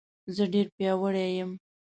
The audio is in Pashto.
زه ډېر پیاوړی یم